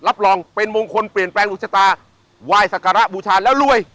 รับรองเป็นมงคลเปลี่ยนแปลงอุชตาว่ายสักการะบูชาและรวย